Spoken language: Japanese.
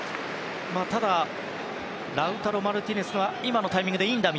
ただラウタロ・マルティネスは今のタイミングでいいんだ！